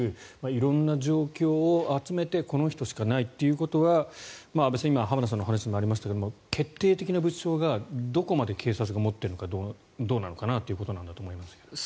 色んな状況を集めてこの人しかいないということが安部さん、今浜田さんの話にもありましたが決定的な物証がどこまで警察が持っているのかどうなのかなということだと思いますが。